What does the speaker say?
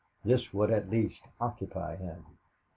This would at least occupy him.